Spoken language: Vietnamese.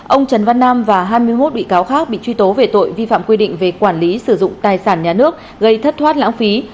ông trần văn nam và hai mươi một bị cáo khác bị truy tố về tội vi phạm quy định về quản lý sử dụng tài sản nhà nước gây thất thoát lãng phí